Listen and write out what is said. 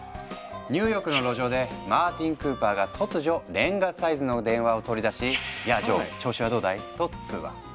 ニューヨークの路上でマーティン・クーパーが突如レンガサイズの電話を取り出し「やあジョー調子はどうだい？」と通話。